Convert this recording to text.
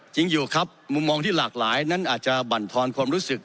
จริงอยู่ครับมุมมองที่หลากหลายนั้นอาจจะบรรทอนความรู้สึก